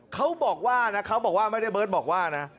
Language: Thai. เขาบอกว่านะเขาบอกว่าไม่ได้เบิร์ตบอกว่านะ